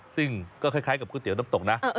ซึ่งก็คล้ายกับก๋วเตี๋น้ำตกนะ